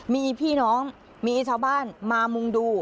มีพี่น้องมีชาวบ้านมามุ่งดู